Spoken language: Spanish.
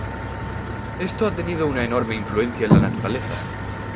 Esto ha tenido una enorme influencia en la naturaleza.